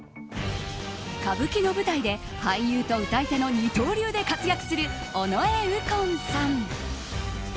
歌舞伎の舞台で俳優と唄い手の二刀流で活躍する尾上右近さん。